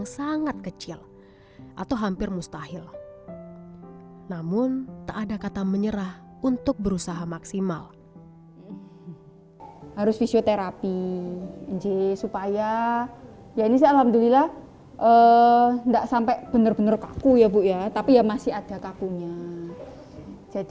yang letaknya berjarak seratus meter dari rumahnya